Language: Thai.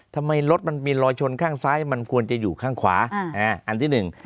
ทำไมรถมันมีรอยชนข้างซ้ายมันควรจะอยู่ข้างขวาอ่าอันที่หนึ่ง